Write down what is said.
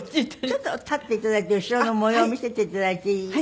ちょっと立って頂いて後ろの模様を見せて頂いていい？